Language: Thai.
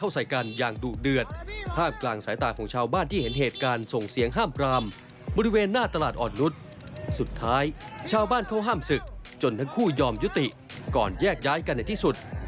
สุดท้ายชาวบ้านเขาห้ามศึกจนทั้งคู่ยอมยุติก่อนแยกย้ายกันในที่สุด